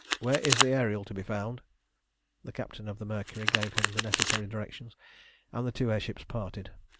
Where is the Ariel to be found?" The captain of the Mercury gave him the necessary directions, and the two air ships parted.